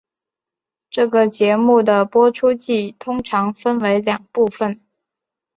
这个节目的播出季通常分为两部份。